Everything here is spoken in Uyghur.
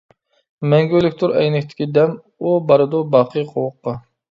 مەڭگۈلۈكتۇر ئەينەكتىكى دەم، ئۇ بارىدۇ باقى قوۋۇققا.